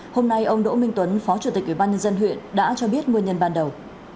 hôm nay ông đỗ minh tuấn phó chủ tịch ubnd huyện đã cho biết nguyên nhân ban đầu